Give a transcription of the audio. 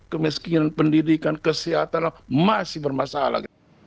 kemiskinan pendidikan kesehatan masih bermasalah